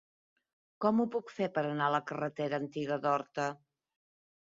Com ho puc fer per anar a la carretera Antiga d'Horta?